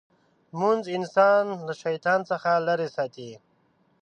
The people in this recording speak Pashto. لمونځ انسان له شیطان څخه لرې ساتي.